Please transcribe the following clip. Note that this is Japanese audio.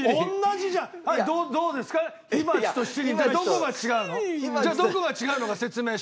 じゃあどこが違うのか説明して。